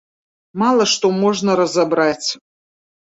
Мала што можна разабраць.